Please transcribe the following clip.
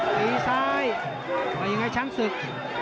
ตีซ้ายว่ายังไงช้างศึก